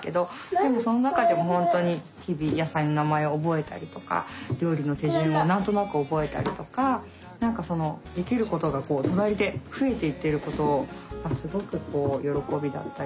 でもその中でも本当に日々野菜の名前を覚えたりとか料理の手順を何となく覚えたりとか何かそのできることが隣で増えていっていることをすごく喜びだったり。